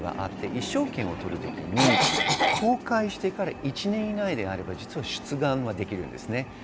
意匠権を取るときに公開してから１年以内であれば実は出願はできます。